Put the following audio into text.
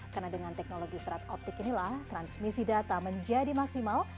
karena dengan teknologi serat optik inilah transmisi data menjadi maksimal